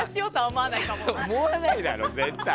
思わないだろ、絶対。